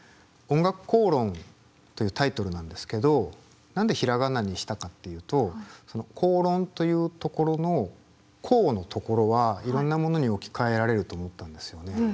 「おんがくこうろん」というタイトルなんですけど何で平仮名にしたかっていうとその公論というところの公のところはいろんなものに置き換えられると思ったんですよね。